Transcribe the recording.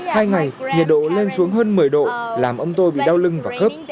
hai ngày nhiệt độ lên xuống hơn một mươi độ làm ông tôi bị đau lưng và khớp